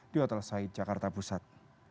di hotel said jakarta pusat